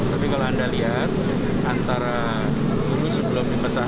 tapi kalau anda lihat antara ini sebelum dipecah tiga puluh